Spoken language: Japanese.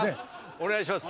お願いします。